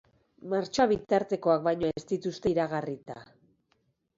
Martxoa bitartekoak baino ez dituzte iragarrita.